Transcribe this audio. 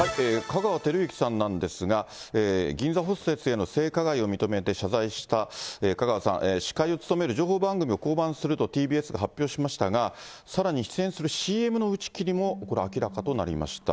香川照之さんなんですが、銀座ホステスへの性加害を認めて謝罪した香川さん、司会を務める情報番組を降板するとＴＢＳが発表しましたが、さらに出演するＣＭの打ち切りもこれ明らかとなりました。